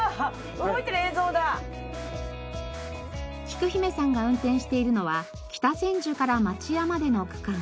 きく姫さんが運転しているのは北千住から町屋までの区間。